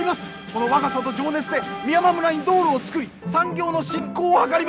この若さと情熱で美山村に道路を造り産業の振興を図ります。